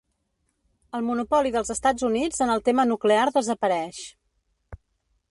El monopoli dels Estats Units en el tema nuclear desapareix.